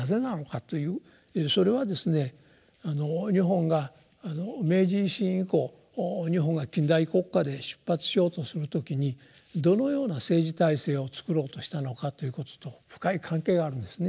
それはですね日本が明治維新以降日本が近代国家で出発しようとする時にどのような政治体制をつくろうとしたのかということと深い関係があるんですね。